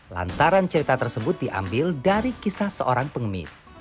lantaran cerita tersebut diambil dari kisah seorang pengemis